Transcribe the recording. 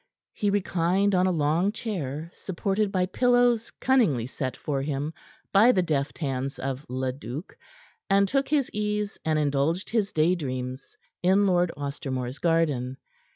He reclined on a long chair, supported by pillows cunningly set for him by the deft hands of Leduc, and took his ease and indulged his day dreams in Lord Ostermore's garden.